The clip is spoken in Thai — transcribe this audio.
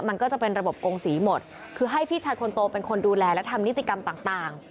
มันก็จะเป็นระบบกงศรีหมดคือให้พี่ชายคนโตเป็นคนดูแลและทำนิติกรรมต่าง